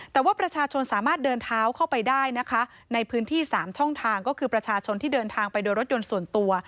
แต่ว่าประชาชนสามารถเดินเท้าเข้าไปได้นะคะในพื้นที่๓ช่องทางก็คือประชาชนที่เดินทางไปโดยรถยนต์ส่วนตัว